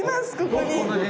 ここに。